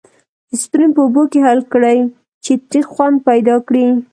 اسپرین په اوبو کې حل کړئ چې تریخ خوند پیدا کړي.